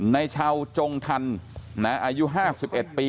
ในชาวจงธรรมนะอายุ๕๑ปี